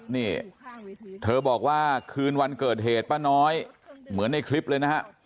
นี่เธอบอกว่าคืนวันเกิดเหตุป้าน้อยเหมือนในคลิปเลยนะฮะ